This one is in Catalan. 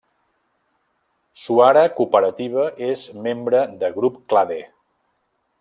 Suara Cooperativa és membre de Grup Clade.